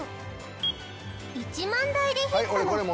１万台でヒットの布団